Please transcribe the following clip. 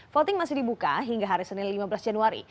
voting masih dibuka hingga hari senin lima belas januari